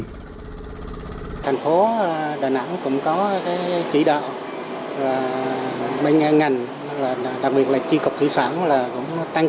giới biện thành phố đà nẵng cũng có cái chỉ đạo ngành đặc biệt là tri cục thủy sản là cũng tăng